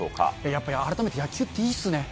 やっぱり改めて野球っていいっすね。